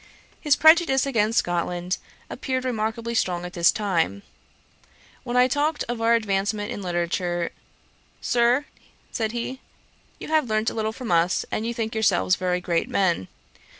His prejudice against Scotland appeared remarkably strong at this time. When I talked of our advancement in literature, 'Sir, (said he,) you have learnt a little from us, and you think yourselves very great men.